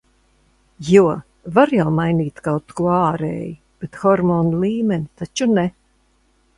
Jo var jau mainīt kaut ko ārēji, bet hormonu līmenī taču ne.